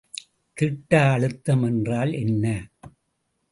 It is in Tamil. திட்ட அழுத்தம் என்றால் என்ன?